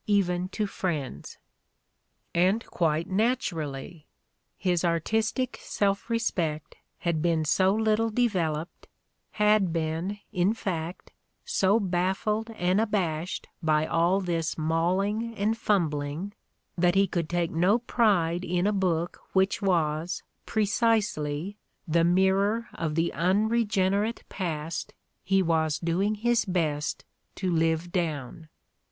even to friends." And quite nat 122 The Ordeal of Mark Twain urally! His artistic self respect had been so little de veloped, had been, in fact, so baffled and abashed by all this mauling and fumbling that he could take no pride in a book which was, precisely, the mirror of the unre generate past he was doing his best to live down.